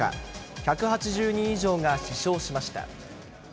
１８０人以上が死傷しました。